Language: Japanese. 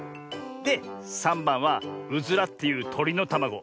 で３ばんはウズラっていうとりのたまご。